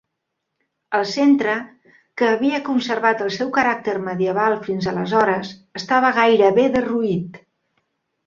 El centre, que havia conservar el seu caràcter medieval fins aleshores, estava gairebé derruït.